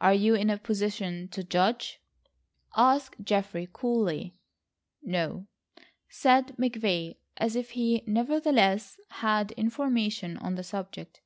"Are you in a position to judge?" asked Geoffrey coolly. "No," said McVay, as if he nevertheless had information on the subject.